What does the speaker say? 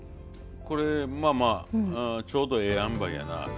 これまあまあちょうどええ塩梅やな。